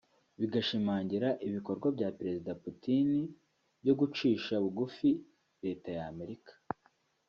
bugashimangira ibikorwa bya Perezida Putin byo gucisha bugufi Leta ya Amerika